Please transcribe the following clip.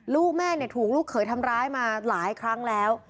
ลูกแม่ถูกลูกเขยทำร้ายมาหลายครั้งแล้ว